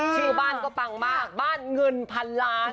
ชื่อบ้านก็ปังมากบ้านเงินพันล้าน